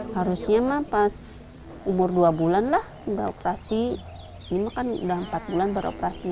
harusnya mah pas umur dua bulan lah udah operasi ini kan udah empat bulan beroperasi